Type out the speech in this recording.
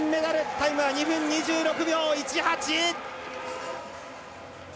タイムは２分２６秒１８！